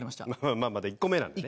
まあまだ１個目なんでね。